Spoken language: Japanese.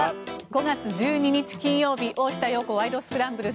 ５月１２日、金曜日「大下容子ワイド！スクランブル」。